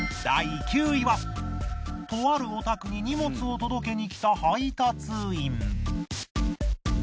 第９位はとあるお宅に荷物を届けにきた配達員。